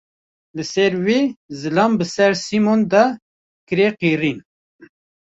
Li ser vê, zilam bi ser Sîmon de kire qêrîn.